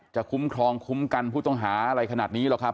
คุ้มครองคุ้มกันผู้ต้องหาอะไรขนาดนี้หรอกครับ